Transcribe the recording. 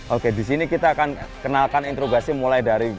oke disini kita akan kenalkan interogasi mulai dari